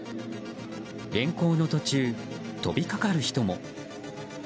連行の途中、飛びかかる人も。